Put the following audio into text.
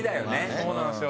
そうなんですよ。